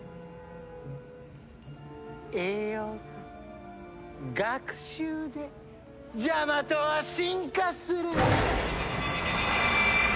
栄養と学習でジャマトは進化する！